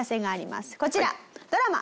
こちらドラマ